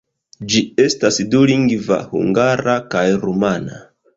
Ĝi estas dulingva: hungara kaj rumana.